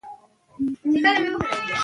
ماشومان د لوبو له لارې د ټولنې قواعد زده کوي.